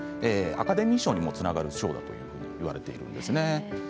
アカデミー賞につながる賞だともいわれています。